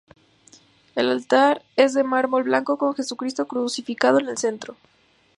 El altar es de mármol blanco con Jesucristo crucificado en el centro.